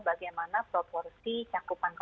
bagaimana proporsi cakupan wilayah